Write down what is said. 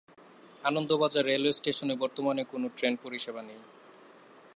Anandabazar railway স্টেশনে বর্তমানে কোন ট্রেন পরিষেবা নেই।